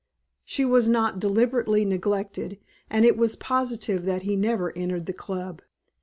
She was not deliberately neglected and it was positive that he never entered the Club.